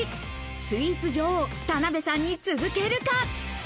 スイーツ女王・田辺さんに続けるか？